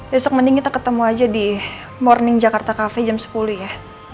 besok mending kita ketemu aja di morning jakarta kafe jam sepuluh ya